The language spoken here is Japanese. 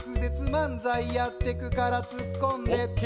まんざいやってくからツッコんでＯＫじゃあ